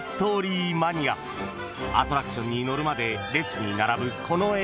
［アトラクションに乗るまで列に並ぶこのエリアで］